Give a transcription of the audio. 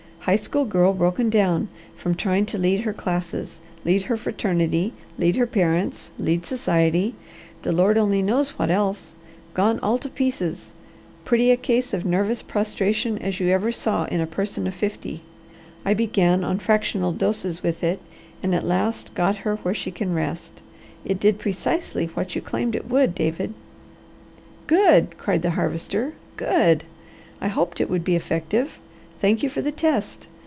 High school girl broken down from trying to lead her classes, lead her fraternity, lead her parents, lead society the Lord only knows what else. Gone all to pieces! Pretty a case of nervous prostration as you ever saw in a person of fifty. I began on fractional doses with it, and at last got her where she can rest. It did precisely what you claimed it would, David." "Good!" cried the Harvester. "Good! I hoped it would be effective. Thank you for the test.